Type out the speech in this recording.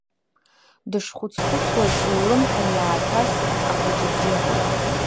Дышхәыц-хәыцуаз, ллымҳа иааҭаст ахәы-ҷыбжьы…